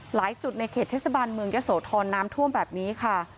หลายจุดในเขตเทศบาลเมืองยะโสธรน้ำท่วมแบบนี้ค่ะ